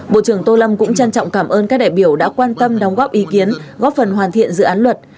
bộ trưởng tô lâm cũng trân trọng cảm ơn các đại biểu đã quan tâm đóng góp ý kiến góp phần hoàn thiện dự án luật